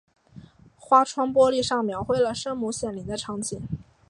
花窗玻璃上描绘了圣母显灵的场景。